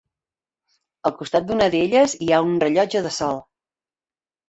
Al costat d'una d'elles hi ha un rellotge de sol.